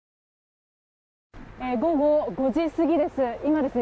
午後５時過ぎです。